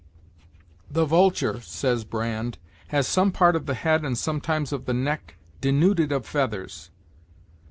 "The vulture," says Brande, "has some part of the head and sometimes of the neck denuded of feathers."